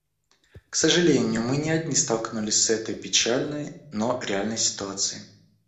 К сожалению, мы не одни столкнулись с этой печальной, но реальной ситуацией.